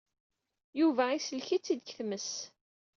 Yuba isellek-itt-id seg tmes.